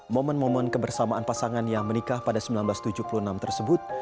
momen momen kebersamaan pasangan yang menikah pada seribu sembilan ratus tujuh puluh enam tersebut